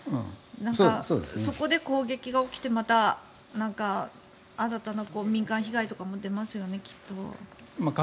そこで攻撃が起きてまた新たな民間被害とかも出ますよね、きっと。